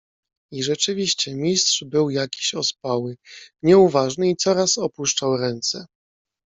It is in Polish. "I rzeczywiście, Mistrz był jakiś ospały, nieuważny i coraz opuszczał ręce."